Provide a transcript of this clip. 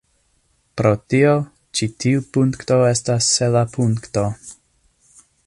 Pro tio, ĉi tiu punkto estas sela punkto.